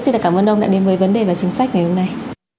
xin cảm ơn ông đã đến với vấn đề và chính sách ngày hôm nay